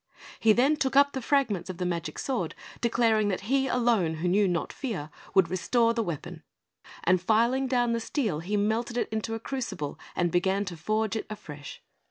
He then took up the fragments of the magic sword, declaring that he alone, who knew not fear, would restore the weapon; and filing down the steel, he melted it in a crucible, and began to forge it afresh.